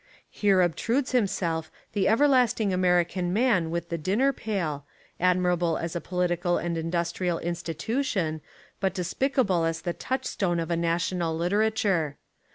Here obtrudes himself the everlasting American man with the dinner pail, admirable as a political Literature and Education in America and industrial institution but despicable as the touch stone of a national literature.